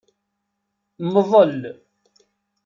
Mḍel.